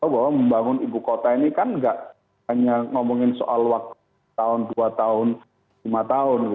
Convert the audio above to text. bahwa membangun ibu kota ini kan nggak hanya ngomongin soal waktu tahun dua tahun lima tahun